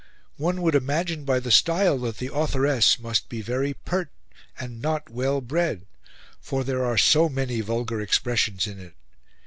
One would imagine by the style that the authoress must be very pert, and not well bred; for there are so many vulgar expressions in it.